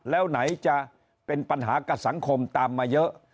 แล้วไหนจะเป็นปัญหากับสังคมตามมาเยอะ